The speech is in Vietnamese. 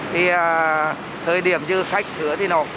thì thời điểm như khách thứa thì nó không có khách